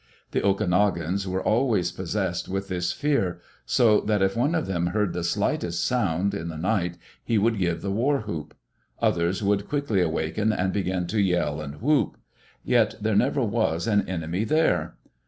The Okanogans were always possessed with this fear, so that if one of them heard the sli^test sound in the night, he would give the war whoop. Others would quickly awaken and begin to yell and whoop. Yet there never was an enemy there.